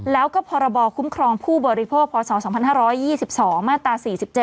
แล้วก็พรบคุ้มครองผู้บริโภคพศ๒๕๒๒มาตรา๔๗